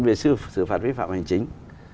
về xử phạt vi phạm hành chính